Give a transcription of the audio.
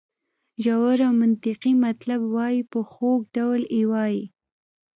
ژور او منطقي مطلب وایي په خوږ ډول یې وایي.